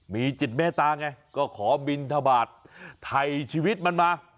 มีจิตเมตตาไงก็ขอบินทบาทถ่ายชีวิตมันมา